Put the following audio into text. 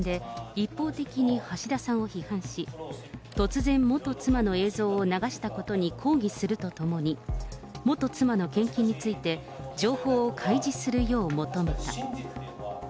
会見で一方的に橋田さんを批判し、突然元妻の映像を流したことに抗議するとともに、元妻の献金について、情報を開示するよう求めた。